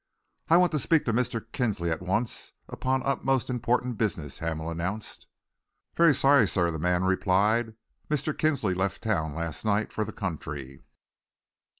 "I want to speak to Mr. Kinsley at once upon most important business," Hamel announced. "Very sorry, sir," the man repelled. "Mr. Kinsley left town last night for the country."